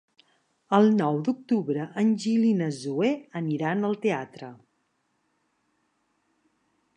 El nou d'octubre en Gil i na Zoè aniran al teatre.